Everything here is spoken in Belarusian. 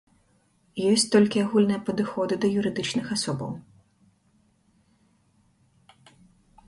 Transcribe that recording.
Ёсць толькі агульныя падыходы да юрыдычных асобаў.